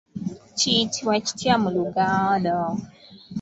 Kiyitibwa kitya mu Luganda?